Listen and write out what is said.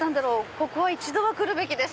ここは一度は来るべきです。